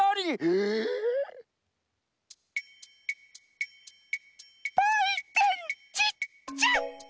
ええ！？ばいてんちっちゃ！